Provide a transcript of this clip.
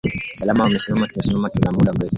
salama mumesimama tumesimama tuna muda mrefu